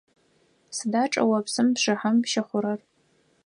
Сыда чӏыопсым бжыхьэм щыхъурэр?